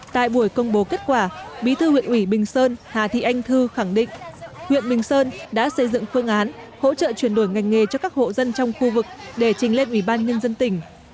tại buổi công bố kết quả bí thư huyện ủy bình sơn hà thị anh thư khẳng định huyện bình sơn đã xây dựng phương án hỗ trợ chuyển đổi ngành nghề cho các hộ dân trong khu vực để trình lên ủy ban nhân dân tỉnh